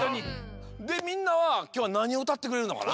でみんなはきょうはなにをうたってくれるのかな？